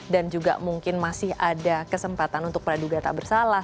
dan juga mungkin masih ada kesempatan untuk peraduga tak bersalah